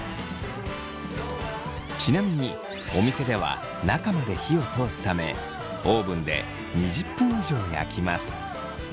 ちなみにお店では中まで火を通すためオーブンで２０分以上焼きます。